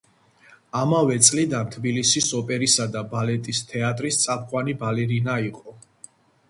ამავე წლიდან თბილისის ოპერისა და ბალეტის თეატრის წამყვანი ბალერინა იყო.